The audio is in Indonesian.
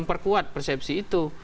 memperkuat persepsi itu